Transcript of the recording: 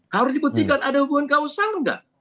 harus dibuktikan ada hubungan kausal nggak